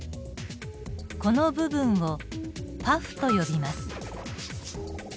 この部分をパフと呼びます。